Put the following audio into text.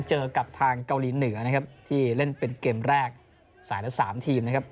เจอกับทางเกาหลีเหนือนะครับที่เล่นเป็นเกมแรกสายละสามทีมนะครับ